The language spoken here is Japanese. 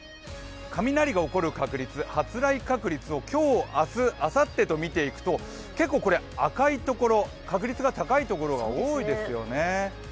雷が起こる確率、発雷確率を今日、明日、あさってと見ていくと結構、赤い所、確率が高い所が多いですよね。